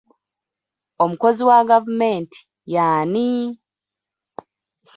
Omukozi wa gavumenti y'ani?